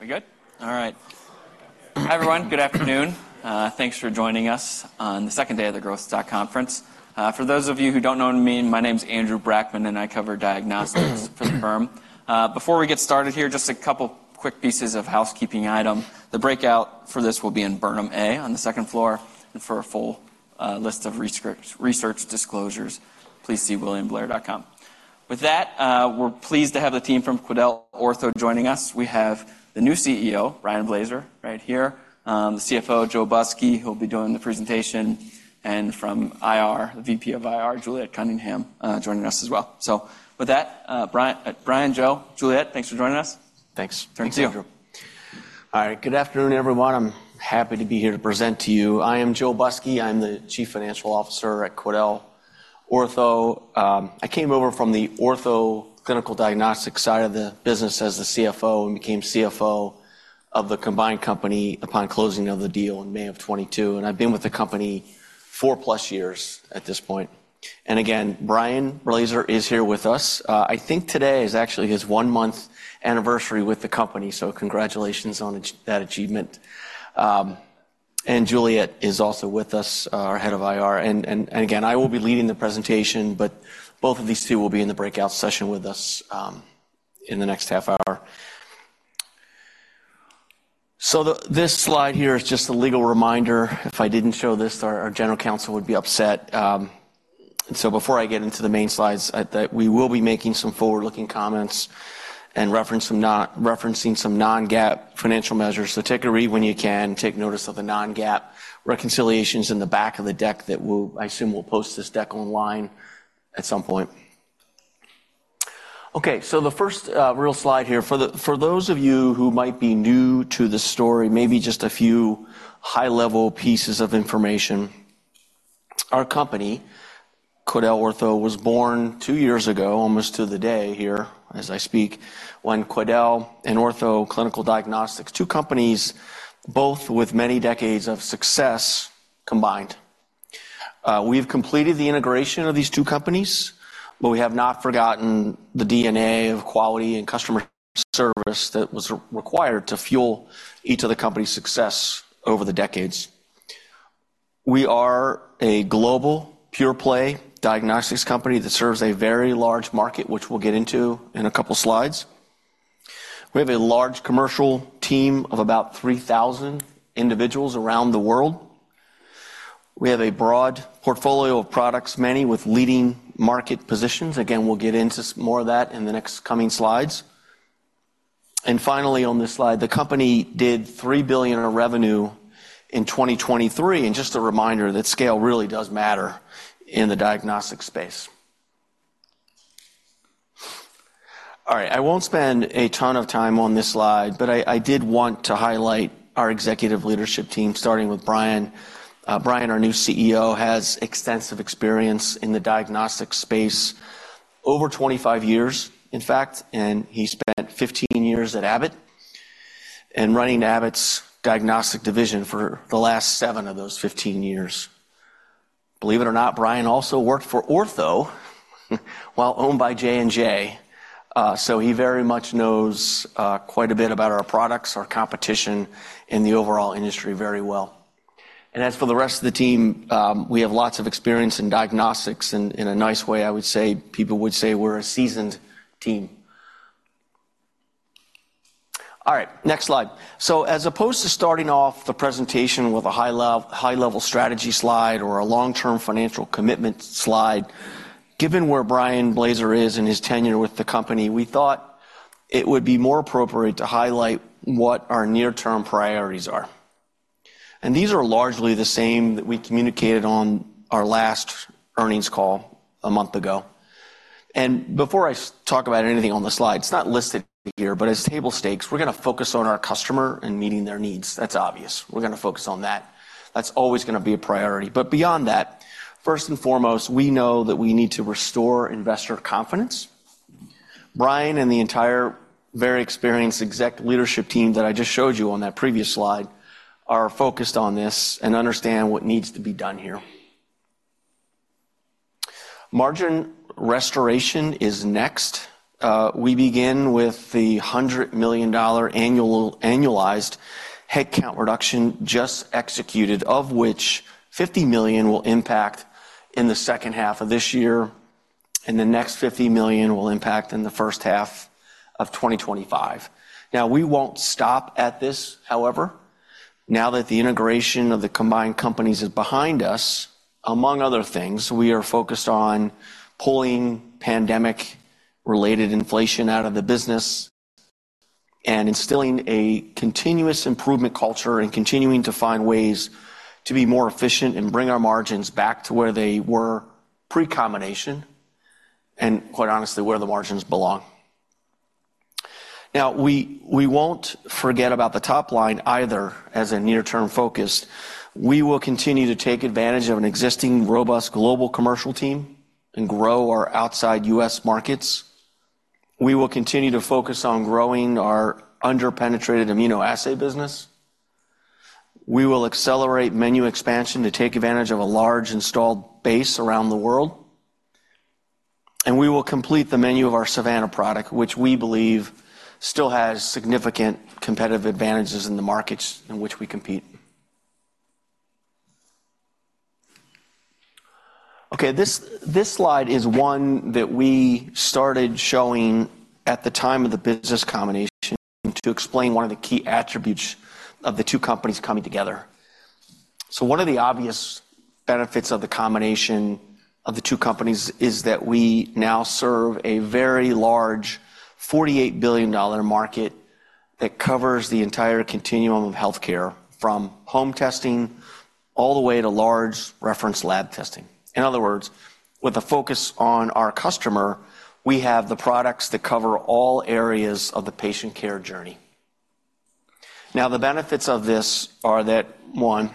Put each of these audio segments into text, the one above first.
We good? All right. Hi, everyone. Good afternoon. Thanks for joining us on the second day of the Growth Stock Conference. For those of you who don't know me, my name is Andrew Brackmann, and I cover diagnostics for the firm. Before we get started here, just a couple quick pieces of housekeeping item. The breakout for this will be in Burnham A on the second floor. For a full list of research disclosures, please see williamblair.com. With that, we're pleased to have the team from QuidelOrtho joining us. We have the new CEO, Brian Blaser, right here, the CFO, Joe Busky, who'll be doing the presentation, and from IR, the VP of IR, Juliet Cunningham, joining us as well. So with that, Brian, Joe, Juliet, thanks for joining us. Thanks. Thanks to you. All right. Good afternoon, everyone. I'm happy to be here to present to you. I am Joe Busky. I'm the Chief Financial Officer at QuidelOrtho. I came over from the Ortho Clinical Diagnostics side of the business as the CFO and became CFO of the combined company upon closing of the deal in May 2022, and I've been with the company 4+ years at this point. Again, Brian Blaser is here with us. I think today is actually his one-month anniversary with the company, so congratulations on that achievement. And Juliet is also with us, our head of IR, and again, I will be leading the presentation, but both of these two will be in the breakout session with us in the next half hour. So the... This slide here is just a legal reminder. If I didn't show this, our general counsel would be upset. So before I get into the main slides, that we will be making some forward-looking comments and referencing some non-GAAP financial measures. So take a read when you can. Take notice of the non-GAAP reconciliations in the back of the deck that we'll, I assume, we'll post this deck online at some point. Okay, so the first real slide here, for those of you who might be new to the story, maybe just a few high-level pieces of information. Our company, QuidelOrtho, was born two years ago, almost to the day here, as I speak, when Quidel and Ortho Clinical Diagnostics, two companies, both with many decades of success, combined. We've completed the integration of these two companies, but we have not forgotten the DNA of quality and customer service that was required to fuel each of the company's success over the decades. We are a global pure-play diagnostics company that serves a very large market, which we'll get into in a couple of slides. We have a large commercial team of about 3,000 individuals around the world. We have a broad portfolio of products, many with leading market positions. Again, we'll get into more of that in the next coming slides. And finally, on this slide, the company did $3 billion in revenue in 2023. And just a reminder that scale really does matter in the diagnostics space. All right, I won't spend a ton of time on this slide, but I did want to highlight our executive leadership team, starting with Brian. Brian, our new CEO, has extensive experience in the diagnostics space, over 25 years, in fact, and he spent 15 years at Abbott and running Abbott's diagnostic division for the last 7 of those 15 years. Believe it or not, Brian also worked for Ortho while owned by J&J, so he very much knows quite a bit about our products, our competition, and the overall industry very well. And as for the rest of the team, we have lots of experience in diagnostics, and in a nice way, I would say, people would say we're a seasoned team. All right, next slide. So as opposed to starting off the presentation with a high-level strategy slide or a long-term financial commitment slide, given where Brian Blaser is in his tenure with the company, we thought it would be more appropriate to highlight what our near-term priorities are. And these are largely the same that we communicated on our last earnings call a month ago. And before I talk about anything on the slide, it's not listed here, but as table stakes, we're gonna focus on our customer and meeting their needs. That's obvious. We're gonna focus on that. That's always gonna be a priority. But beyond that, first and foremost, we know that we need to restore investor confidence. Brian and the entire very experienced exec leadership team that I just showed you on that previous slide are focused on this and understand what needs to be done here. Margin restoration is next. We begin with the $100 million annualized headcount reduction just executed, of which $50 million will impact in the second half of this year, and the next $50 million will impact in the first half of 2025. Now, we won't stop at this, however. Now that the integration of the combined companies is behind us, among other things, we are focused on pulling pandemic-related inflation out of the business and instilling a continuous improvement culture and continuing to find ways to be more efficient and bring our margins back to where they were pre-combination, and quite honestly, where the margins belong. Now, we, we won't forget about the top line either as a near-term focus. We will continue to take advantage of an existing robust global commercial team and grow our outside U.S. markets. We will continue to focus on growing our under-penetrated immunoassay business. We will accelerate menu expansion to take advantage of a large installed base around the world.... And we will complete the menu of our Savanna product, which we believe still has significant competitive advantages in the markets in which we compete. Okay, this slide is one that we started showing at the time of the business combination to explain one of the key attributes of the two companies coming together. So one of the obvious benefits of the combination of the two companies is that we now serve a very large $48 billion market that covers the entire continuum of healthcare, from home testing all the way to large reference lab testing. In other words, with a focus on our customer, we have the products that cover all areas of the patient care journey. Now, the benefits of this are that, one,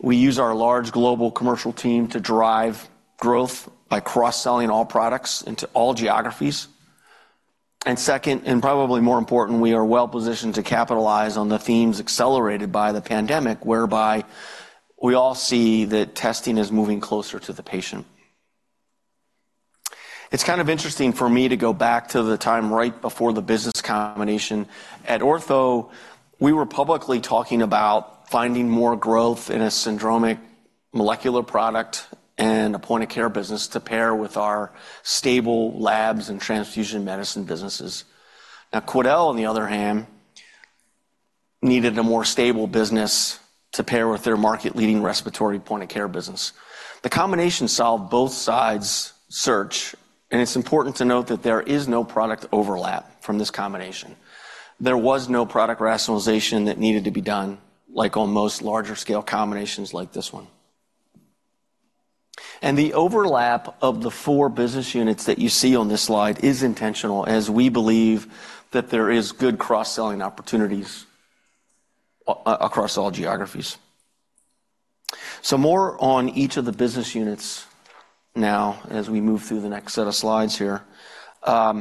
we use our large global commercial team to drive growth by cross-selling all products into all geographies. And second, and probably more important, we are well-positioned to capitalize on the themes accelerated by the pandemic, whereby we all see that testing is moving closer to the patient. It's kind of interesting for me to go back to the time right before the business combination. At Ortho, we were publicly talking about finding more growth in a syndromic molecular product and a point-of-care business to pair with our stable labs and transfusion medicine businesses. Now, Quidel, on the other hand, needed a more stable business to pair with their market-leading respiratory point-of-care business. The combination solved both sides' search, and it's important to note that there is no product overlap from this combination. There was no product rationalization that needed to be done, like on most larger-scale combinations like this one. The overlap of the four business units that you see on this slide is intentional, as we believe that there is good cross-selling opportunities across all geographies. More on each of the business units now, as we move through the next set of slides here. I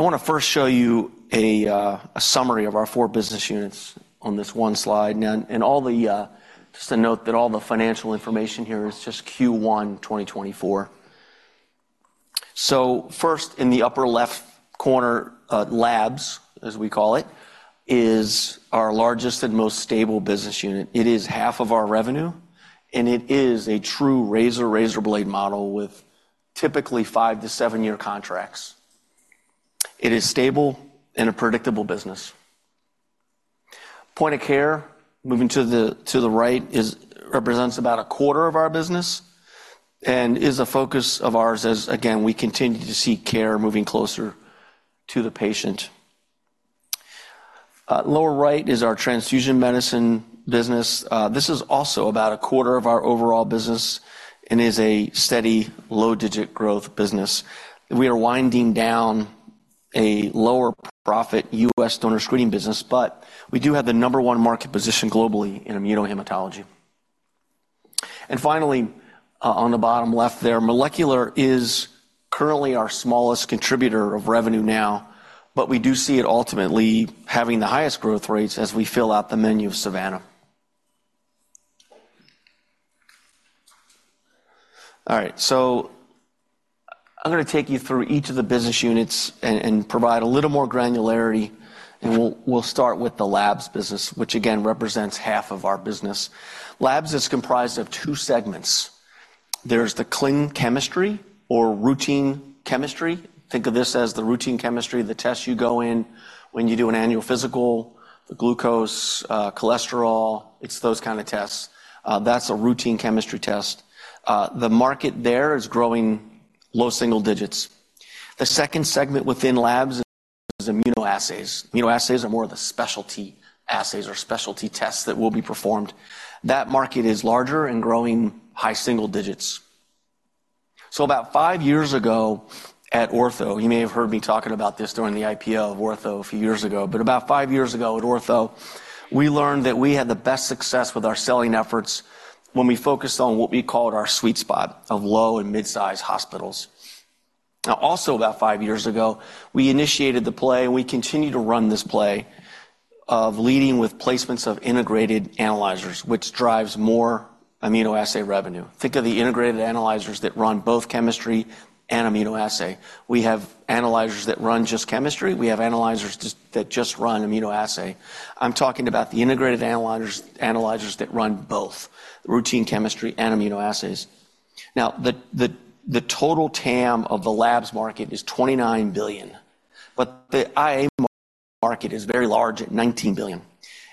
want to first show you a summary of our four business units on this one slide. Now, just to note that all the financial information here is just Q1 2024. First, in the upper left corner, labs, as we call it, is our largest and most stable business unit. It is half of our revenue, and it is a true razor blade model with typically 5-7-year contracts. It is stable and a predictable business. Point-of-care, moving to the right, represents about a quarter of our business and is a focus of ours as, again, we continue to see care moving closer to the patient. Lower right is our transfusion medicine business. This is also about a quarter of our overall business and is a steady low-digit growth business. We are winding down a lower profit U.S. donor screening business, but we do have the number one market position globally in immunohematology. Finally, on the bottom left there, molecular is currently our smallest contributor of revenue now, but we do see it ultimately having the highest growth rates as we fill out the menu of Savanna. All right, so I'm gonna take you through each of the business units and provide a little more granularity, and we'll start with the labs business, which again, represents half of our business. Labs is comprised of two segments. There's the CLIA chemistry or routine chemistry. Think of this as the routine chemistry, the test you go in when you do an annual physical, the glucose, cholesterol, it's those kind of tests. That's a routine chemistry test. The market there is growing low single digits. The second segment within labs is immunoassays. Immunoassays are more of the specialty assays or specialty tests that will be performed. That market is larger and growing high single digits. So about five years ago at Ortho, you may have heard me talking about this during the IPO of Ortho a few years ago, but about five years ago at Ortho, we learned that we had the best success with our selling efforts when we focused on what we called our sweet spot of low and mid-size hospitals. Now, also, about five years ago, we initiated the play, and we continue to run this play of leading with placements of integrated analyzers, which drives more immunoassay revenue. Think of the integrated analyzers that run both chemistry and immunoassay. We have analyzers that run just chemistry. We have analyzers that just run immunoassay. I'm talking about the integrated analyzers, analyzers that run both routine chemistry and immunoassays. Now, the total TAM of the labs market is $29 billion, but the IA market is very large at $19 billion,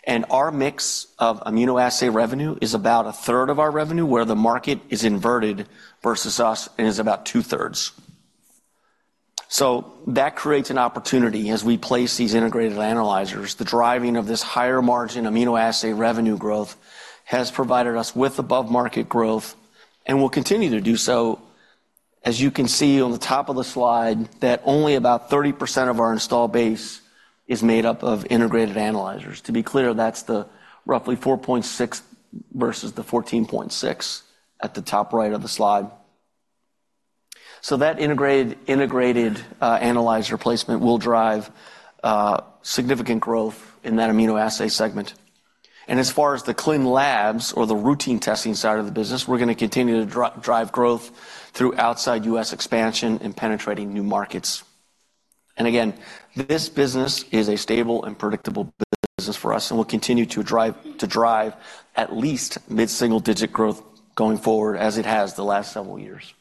and our mix of immunoassay revenue is about a third of our revenue, where the market is inverted versus us and is about two-thirds. So that creates an opportunity as we place these integrated analyzers. The driving of this higher margin immunoassay revenue growth has provided us with above-market growth and will continue to do so. As you can see on the top of the slide, that only about 30% of our installed base is made up of integrated analyzers. To be clear, that's the roughly 4.6 versus the 14.6 at the top right of the slide. So that integrated analyzer placement will drive significant growth in that immunoassay segment. As far as the clinical labs or the routine testing side of the business, we're gonna continue to drive growth through outside U.S. expansion and penetrating new markets. Again, this business is a stable and predictable business for us, and will continue to drive at least mid-single-digit growth going forward, as it has the last several years.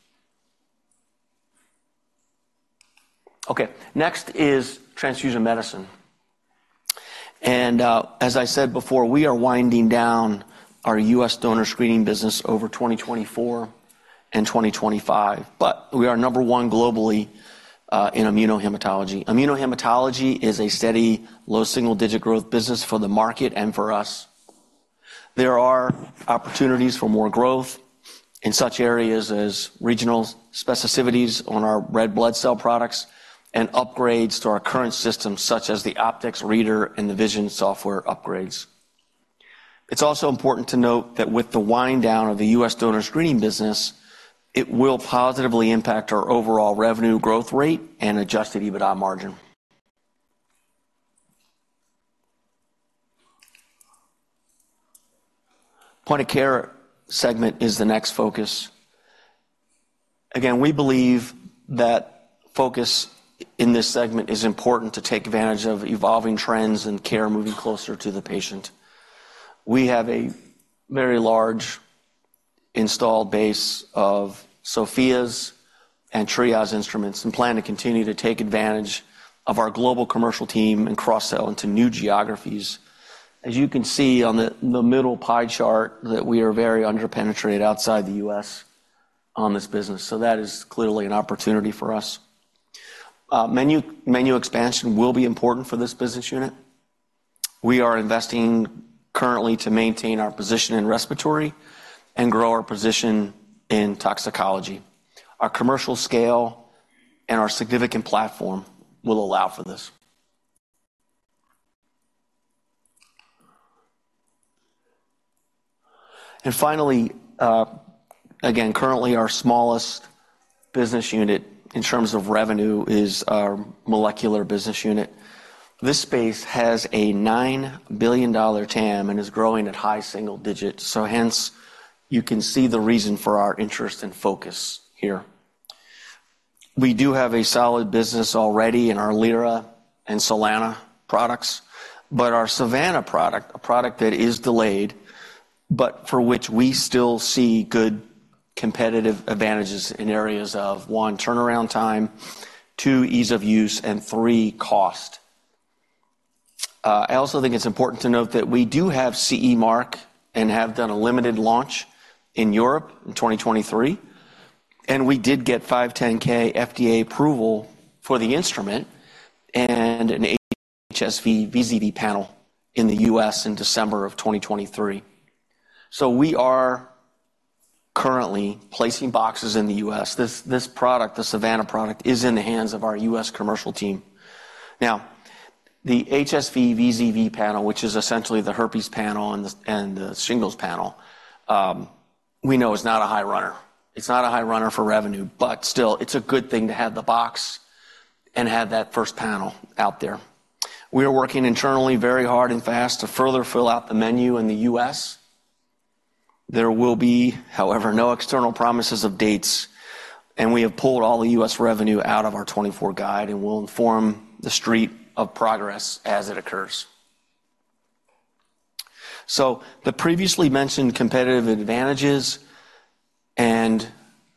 Okay, next is transfusion medicine. As I said before, we are winding down our U.S. donor screening business over 2024 and 2025, but we are number one globally in immunohematology. Immunohematology is a steady, low-single-digit growth business for the market and for us. There are opportunities for more growth in such areas as regional specificities on our red blood cell products and upgrades to our current systems, such as the Optix reader and the Vision software upgrades. It's also important to note that with the wind down of the U.S. donor screening business, it will positively impact our overall revenue growth rate and Adjusted EBITDA margin. Point-of-care segment is the next focus. Again, we believe that focus in this segment is important to take advantage of evolving trends and care moving closer to the patient. We have a very large installed base of Sofias and Triage instruments, and plan to continue to take advantage of our global commercial team and cross-sell into new geographies. As you can see on the middle pie chart, that we are very under-penetrated outside the U.S. on this business, so that is clearly an opportunity for us. Menu expansion will be important for this business unit. We are investing currently to maintain our position in respiratory and grow our position in toxicology. Our commercial scale and our significant platform will allow for this. And finally, again, currently, our smallest business unit in terms of revenue is our molecular business unit. This space has a $9 billion TAM and is growing at high single digits, so hence, you can see the reason for our interest and focus here. We do have a solid business already in our Lyra and Solana products, but our Savanna product, a product that is delayed, but for which we still see good competitive advantages in areas of, one, turnaround time, two, ease of use, and three, cost. I also think it's important to note that we do have CE mark and have done a limited launch in Europe in 2023, and we did get 510(k) FDA approval for the instrument and an HSV VZV panel in the U.S. in December 2023. So we are currently placing boxes in the U.S. This, this product, the Savanna product, is in the hands of our U.S. commercial team. Now, the HSV VZV panel, which is essentially the herpes panel and the, and the shingles panel, we know is not a high runner. It's not a high runner for revenue, but still, it's a good thing to have the box and have that first panel out there. We are working internally very hard and fast to further fill out the menu in the U.S. There will be, however, no external promises of dates, and we have pulled all the U.S. revenue out of our 2024 guide, and we'll inform the street of progress as it occurs. So the previously mentioned competitive advantages and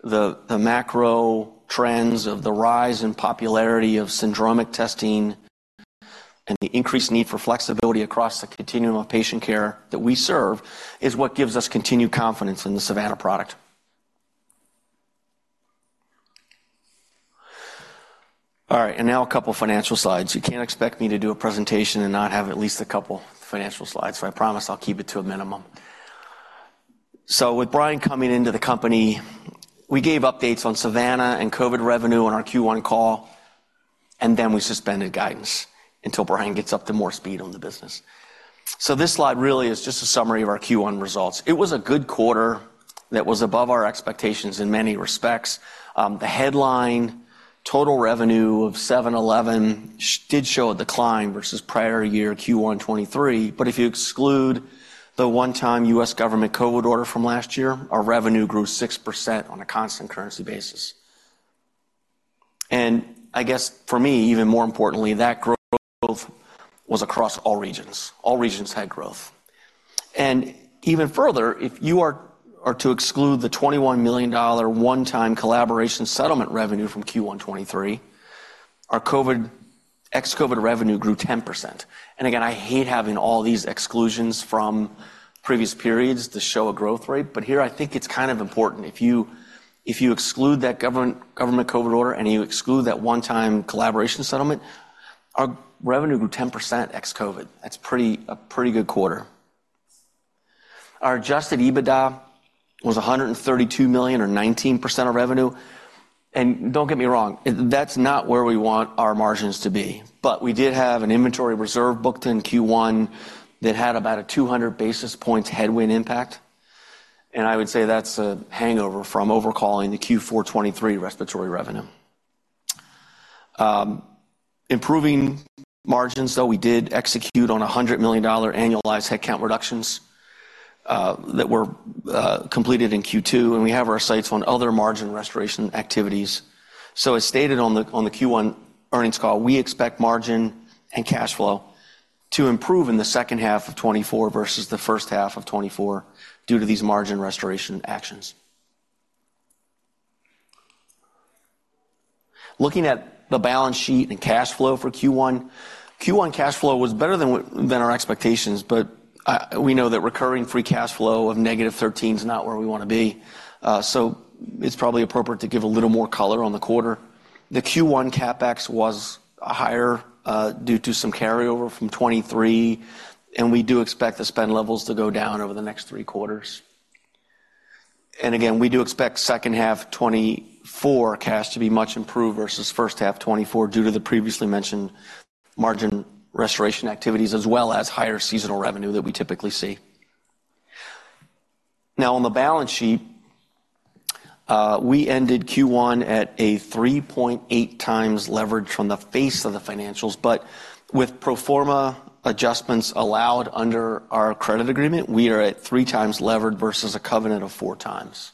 the, the macro trends of the rise in popularity of syndromic testing and the increased need for flexibility across the continuum of patient care that we serve, is what gives us continued confidence in the Savanna product. All right, and now a couple financial slides. You can't expect me to do a presentation and not have at least a couple financial slides, so I promise I'll keep it to a minimum. So with Brian coming into the company, we gave updates on Savanna and COVID revenue on our Q1 call, and then we suspended guidance until Brian gets up to more speed on the business. So this slide really is just a summary of our Q1 results. It was a good quarter that was above our expectations in many respects. The headline, total revenue of $711 million did show a decline versus prior-year Q1 2023, but if you exclude the one-time U.S. government COVID order from last year, our revenue grew 6% on a constant currency basis. And I guess for me, even more importantly, that growth was across all regions. All regions had growth. And even further, if you are to exclude the $21 million one-time collaboration settlement revenue from Q1 2023, our COVID, ex-COVID revenue grew 10%. And again, I hate having all these exclusions from previous periods to show a growth rate, but here I think it's kind of important. If you exclude that government COVID order and you exclude that one-time collaboration settlement, our revenue grew 10% ex-COVID. That's pretty—a pretty good quarter. Our adjusted EBITDA was $132 million or 19% of revenue. And don't get me wrong, that's not where we want our margins to be, but we did have an inventory reserve booked in Q1 that had about a 200 basis points headwind impact, and I would say that's a hangover from over-calling the Q4 2023 respiratory revenue. Improving margins, though we did execute on a $100 million annualized headcount reductions that were completed in Q2, and we have our sights on other margin restoration activities. So as stated on the Q1 earnings call, we expect margin and cash flow to improve in the second half of 2024 versus the first half of 2024 due to these margin restoration actions. Looking at the balance sheet and cash flow for Q1. Q1 cash flow was better than our expectations, but we know that recurring free cash flow of -$13 is not where we want to be. So it's probably appropriate to give a little more color on the quarter. The Q1 CapEx was higher due to some carryover from 2023, and we do expect the spend levels to go down over the next three quarters. And again, we do expect second half 2024 cash to be much improved versus first half 2024 due to the previously mentioned margin restoration activities, as well as higher seasonal revenue that we typically see. Now, on the balance sheet, we ended Q1 at a 3.8x leverage from the face of the financials, but with pro forma adjustments allowed under our credit agreement, we are at 3x levered versus a covenant of 4x.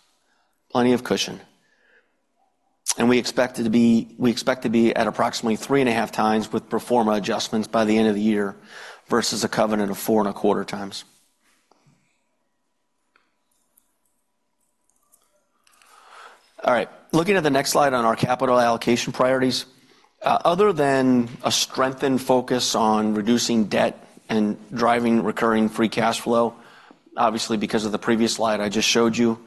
Plenty of cushion. And we expect to be at approximately 3.5x with pro forma adjustments by the end of the year versus a covenant of 4.25x. All right, looking at the next slide on our capital allocation priorities. Other than a strengthened focus on reducing debt and driving recurring free cash flow, obviously, because of the previous slide I just showed you,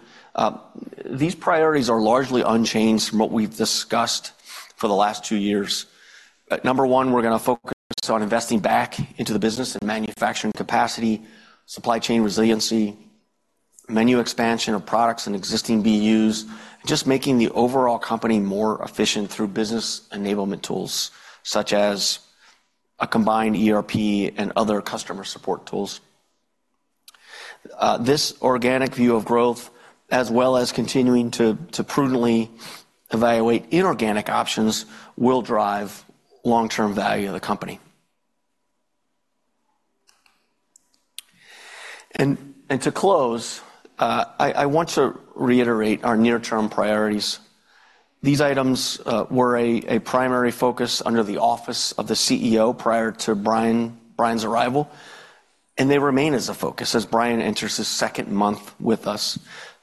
these priorities are largely unchanged from what we've discussed for the last two years. But number one, we're gonna focus on investing back into the business and manufacturing capacity, supply chain resiliency, menu expansion of products and existing BUs, just making the overall company more efficient through business enablement tools, such as a combined ERP and other customer support tools. This organic view of growth, as well as continuing to prudently evaluate inorganic options, will drive long-term value of the company. And to close, I want to reiterate our near-term priorities. These items were a primary focus under the office of the CEO prior to Brian's arrival, and they remain as a focus as Brian enters his second month with us.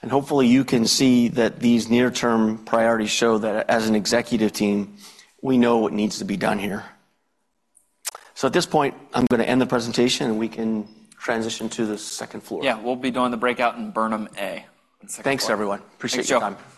Hopefully, you can see that these near-term priorities show that as an executive team, we know what needs to be done here. At this point, I'm gonna end the presentation, and we can transition to the second floor. Yeah, we'll be doing the breakout in Burnham A. Thanks, everyone. Appreciate your time.